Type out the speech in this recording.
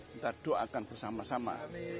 kita doakan bersama sama